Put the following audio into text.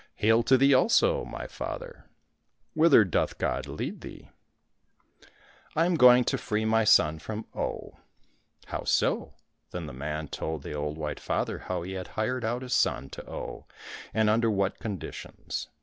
—" Hail to thee also, my father !"—'' Whither doth God lead thee ?"—" I am going to 19 COSSACK FAIRY TALES free my son from Oh." —" How so ?"— Then the man told the old white father how he had hired out his son to Oh and under what conditions.